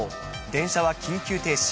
電車は緊急停止。